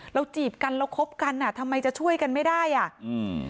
จีบกันเราคบกันอ่ะทำไมจะช่วยกันไม่ได้อ่ะอืม